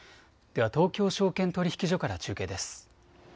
では東京証券取引所から中継です。